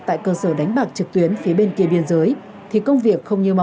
tại cơ sở đánh bạc trực tuyến phía bên kia biên giới thì công việc không như mong